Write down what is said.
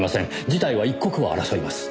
事態は一刻を争います。